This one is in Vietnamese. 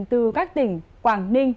từ các tỉnh quảng ninh